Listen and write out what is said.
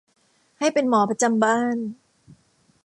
ให้เป็นหมอประจำบ้าน